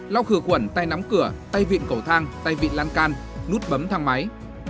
lau khử khuẩn tay nắm cửa tay vịn cầu thang tay bị lan can nút bấm thang máy